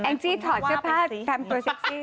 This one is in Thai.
แองซี่ทอดเชื้อผ้าทำตัวเซ็กซี่